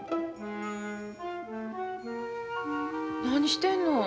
何してんの？